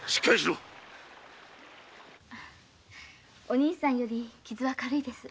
お兄さんより傷は軽いです。